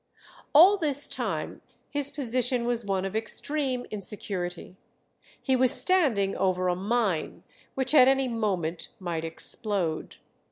All this time his position was one of extreme insecurity. He was standing over a mine which at any moment might explode.